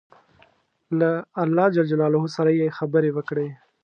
له الله جل جلاله سره یې خبرې وکړې.